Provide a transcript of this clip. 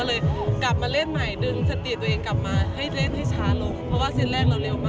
เราจะต้องไปแข่งขันอีกที่หนึ่งแล้ว